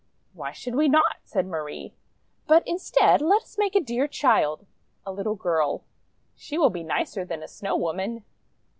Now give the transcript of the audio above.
"Why should we not?" said Marie. "But, instead, let us make a dear child — a little girl. She will be nicer than a Snow Woman!'